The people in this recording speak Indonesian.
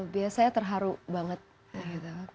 biasanya terharu banget gitu